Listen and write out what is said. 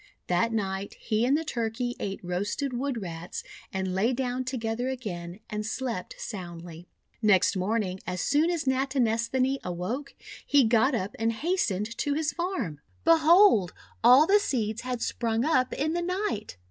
That night he and the Turkey ate roasted Wood Rats, and lay down together again, and slept soundly. Next morning, as soon as Natinesthani awoke, he got up and hastened to his farm. Behold, all the seeds had sprung up in the night!